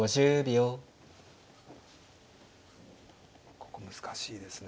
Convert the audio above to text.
ここ難しいですね。